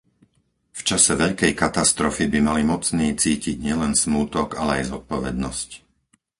V čase veľkej katastrofy by mali mocní cítiť nielen smútok, ale aj zodpovednosť.